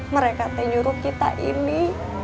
mereka teh nyuruh kita ini